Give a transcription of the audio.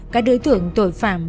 các đối tượng tội phạm